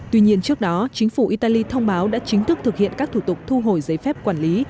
tuy nhiên trước đó chính phủ italy thông báo đã chính thức thực hiện các thủ tục thu hồi giấy phép quản lý